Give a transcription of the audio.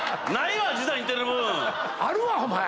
あるわ！